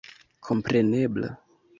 komprenebla.